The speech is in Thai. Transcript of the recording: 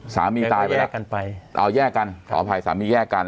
แกก็แยกกันไปเอาแยกกันขออภัยสามีแยกกัน